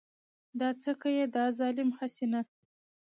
دا څه که يې دا ظالم هسې نه .